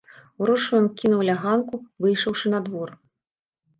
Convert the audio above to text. Грошы ён кінуў ля ганку, выйшаўшы на двор.